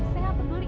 saya gak peduli